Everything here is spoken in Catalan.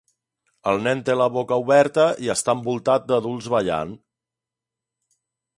El nen té la boca oberta i està envoltat d'adults ballant.